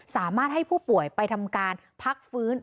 สามารถให้ผู้ป่วยไปทำการพักฟื้น